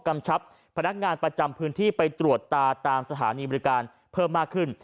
ชับพนักงานประจำพื้นที่ไปตรวจตาตามสถานีบริการเพิ่มมากขึ้น